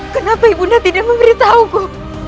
kenapa ibu nda tidak memberitahuku